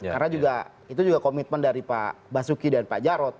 karena itu juga komitmen dari pak basuki dan pak jarot